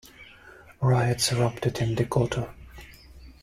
Riots erupted in Decoto.